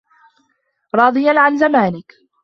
رَاضِيًا عَنْ زَمَانِك